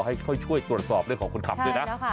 ให้ค่อยช่วยตรวจสอบเรื่องของคนขับด้วยนะ